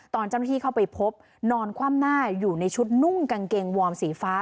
ตอนเจ้าหน้าที่เข้าไปพบนอนคว่ำหน้าอยู่ในชุดนุ่งกางเกงวอร์มสีฟ้า